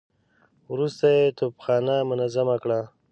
وروسته يې توپخانه منظمه کړه.